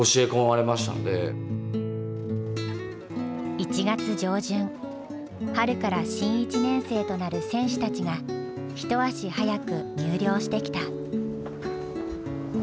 １月上旬春から新１年生となる選手たちが一足早く入寮してきた。